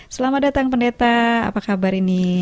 selamat datang pendeta apa kabar ini